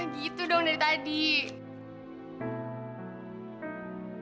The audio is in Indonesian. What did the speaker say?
kau mau ngapain